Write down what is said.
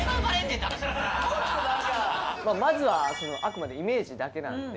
まずはあくまでイメージだけなので。